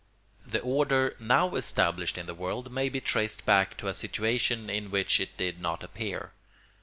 The order now established in the world may be traced back to a situation in which it did not appear.